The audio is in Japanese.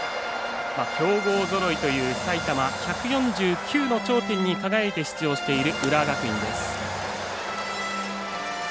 強豪ぞろいという埼玉１４９の頂点に輝いて出場している浦和学院です。